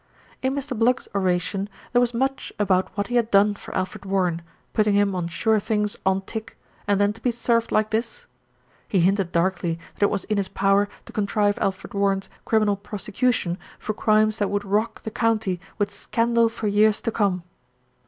In Mr. Bluggs's oration, there was much about what he had done for Alfred Warren, putting him on sure things "on tick" ; and then to be served like this. He hinted darkly that it was in his power to contrive Alfred Warren's criminal prosecution for crimes that would rock the county with scandal for years to come.